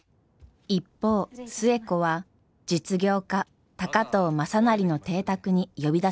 一方寿恵子は実業家高藤雅修の邸宅に呼び出されていました。